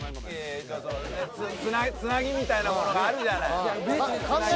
つなぎみたいなものがあるじゃないんすよ